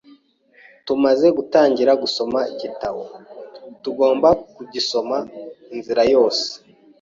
Tumaze gutangira gusoma igitabo, tugomba kugisoma inzira yose.